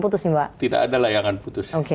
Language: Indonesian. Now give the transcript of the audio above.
putus nih pak tidak ada layangan putus oke